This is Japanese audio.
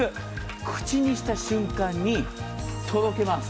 口にした瞬間に、とろけます。